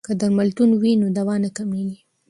که درملتون وي نو دوا نه کمیږي.